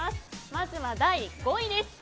まずは第５位です。